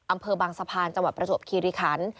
อำเภอบางสะพานจังหวัดประจวบคีริคัน